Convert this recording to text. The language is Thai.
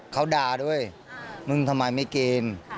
เขาด่าด้วยมึงทำไมไม่เกณฑ์